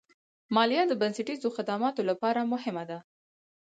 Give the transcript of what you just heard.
مالیه د بنسټیزو خدماتو لپاره مهمه ده.